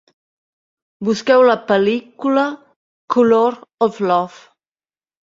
Busqueu la pel·lícula Colour of Love.